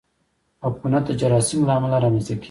عفونت د جراثیمو له امله رامنځته کېږي.